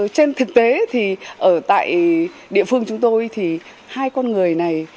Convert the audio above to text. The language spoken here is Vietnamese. trên thực tế thì ở tại địa phương chúng tôi thì hai con người này